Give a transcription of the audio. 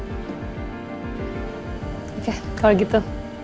oke kalau gitu